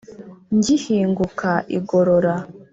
Ngihinguka i Gorora